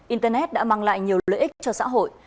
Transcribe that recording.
internet đã mang lại nhiều lợi ích cho xã hội